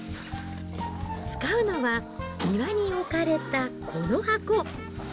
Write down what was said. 使うのは、庭に置かれたこの箱。